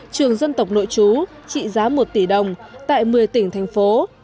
trường dân tộc nội chú trị giá một tỷ đồng tại một mươi tỉnh thành phố